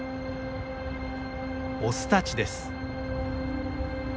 オスたちです。